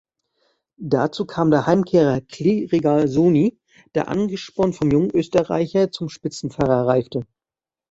Dazu kam der Heimkehrer Clay Regazzoni, der angespornt vom jungen Österreicher zum Spitzenfahrer reifte.